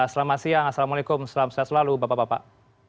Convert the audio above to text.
selamat siang assalamualaikum selamat siang selalu bapak bapak